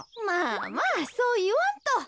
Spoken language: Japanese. まあまあそういわんと。